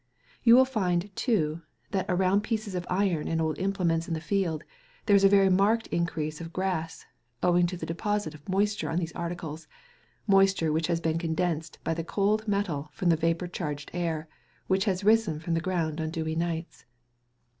You will find, too, that around pieces of iron and old implements in the field, there is a very marked increase of grass, owing to the deposit of moisture on these articles moisture which has been condensed by the cold metal from the vapour charged air, which has risen from the ground on dewy nights.